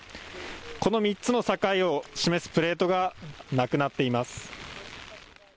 この３つの境を示すプレートがなくなっています。